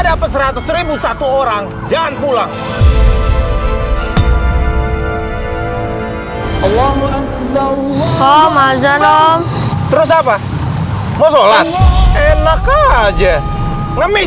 dapat seratus satu orang jangan pulang allah allah allah terus apa mau sholat enak aja ngemis